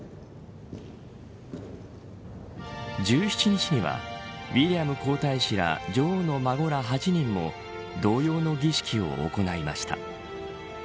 １７日にはウィリアム皇太子ら女王の孫ら８人も同様の儀式を行いました。